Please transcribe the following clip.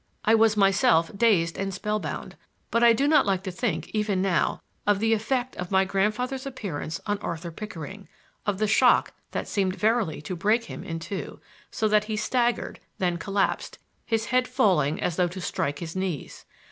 I was myself dazed and spellbound; but I do not like to think, even now, of the effect of my grandfather's appearance on Arthur Pickering; of the shock that seemed verily to break him in two, so that he staggered, then collapsed, his head falling as though to strike his knees.